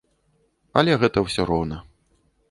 Але гэта ўсё роўна.